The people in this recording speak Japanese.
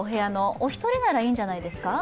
お一人だならいいんじゃないですか。